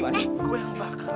gue yang bakar